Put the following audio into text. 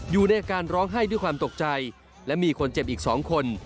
อยู่ในอาการร้องไห้ด้วยความตกใจและมีคนเจ็บอีก๒คน